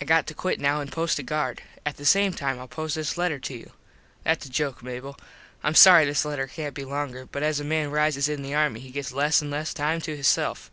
I got to quit now an post a guard. At the same time Ill post this letter to you. Thats a joke Mable. Im sorry this letter cant be longer but as a man rises in the army he gets less an less time to hisself.